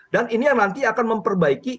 dan ini yang nanti akan memperbaiki